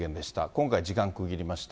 今回時間区切りました。